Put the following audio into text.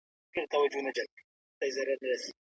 آیا هغه په یو ساعت کې رارسېدلی شي؟